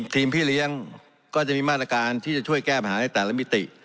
พี่เลี้ยงก็จะมีมาตรการที่จะช่วยแก้ปัญหาในแต่ละมิติ